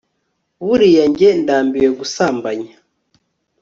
buriya njye ndambiwe gusambanya